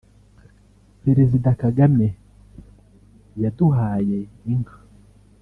Perezida Kagame yaduhaye inka